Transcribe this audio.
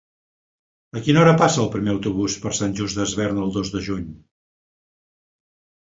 A quina hora passa el primer autobús per Sant Just Desvern el dos de juny?